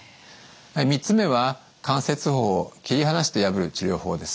３つ目は関節包を切り離して破る治療法です。